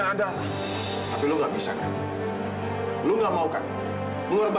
tante permisi dulu ya andara